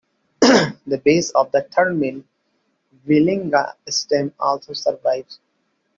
The base of a third mill, "Wielinga-stam" also survives.